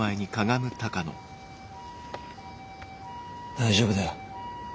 大丈夫だよ。